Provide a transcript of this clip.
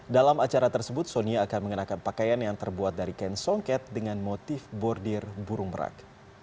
dalam acara tersebut sonia akan mengenakan pakaian yang terbuat dari kain songket dengan motif bordir burung merak